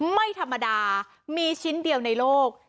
ไม่ธรรมดามีชิ้นเดียวในโลก